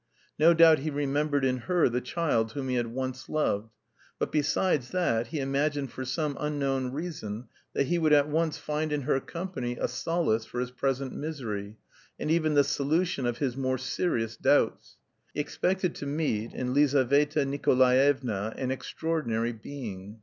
No doubt he remembered in her the child whom he had once loved. But besides that, he imagined for some unknown reason that he would at once find in her company a solace for his present misery, and even the solution of his more serious doubts. He expected to meet in Lizaveta Nikolaevna an extraordinary being.